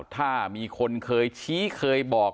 ถ้ามีคนเคยชี้เคยบอก